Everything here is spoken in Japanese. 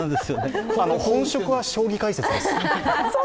本職は将棋解説です。